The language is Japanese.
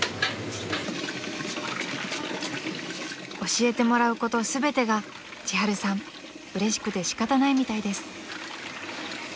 ［教えてもらうこと全てがちはるさんうれしくて仕方ないみたいです］